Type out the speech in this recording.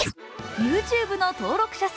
ＹｏｕＴｕｂｅの登録者数